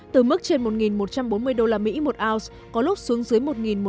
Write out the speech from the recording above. từ mức trên một một trăm bốn mươi usd một ounce có lúc xuống dưới một